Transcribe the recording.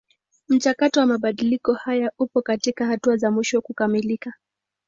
Mchakato wa mabadiliko haya upo katika hatua za mwisho kukamilika.